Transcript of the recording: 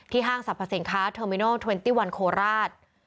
ที่ห้างสรรพสินค้าเทอร์มินอล๒๑โคราช